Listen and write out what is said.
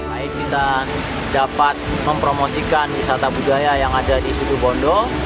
baik kita dapat mempromosikan wisata budaya yang ada di situ bondo